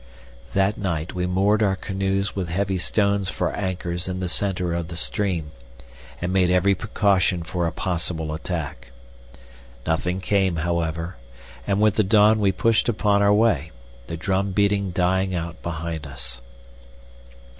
That night we moored our canoes with heavy stones for anchors in the center of the stream, and made every preparation for a possible attack. Nothing came, however, and with the dawn we pushed upon our way, the drum beating dying out behind us.